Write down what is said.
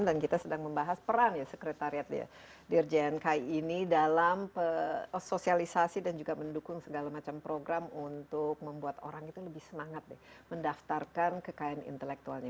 dan kita sedang membahas peran sekretariat jnk ini dalam sosialisasi dan juga mendukung segala macam program untuk membuat orang itu lebih semangat mendaftarkan kekayaan intelektualnya